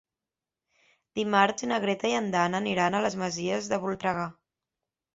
Dimarts na Greta i en Dan aniran a les Masies de Voltregà.